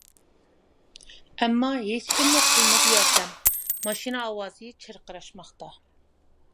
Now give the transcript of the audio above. ئەمما ھېچكىممۇ قىلمىدى ياردەم، ماشىنا ئاۋازى چىرقىراشماقتا.